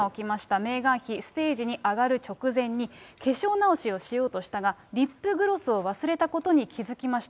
メーガン妃、ステージに上がる直前に、化粧直しをしようとしたが、リップグロスを忘れたことに気付きました。